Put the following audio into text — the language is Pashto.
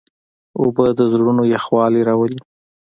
اوبه د زړونو یخوالی راولي.